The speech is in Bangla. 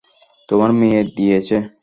তোমার মেয়ে দিয়েছে।